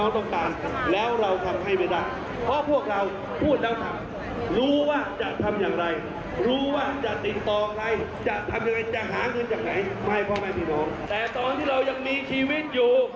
แต่ตอนที่เรายังมีชีวิตอยู่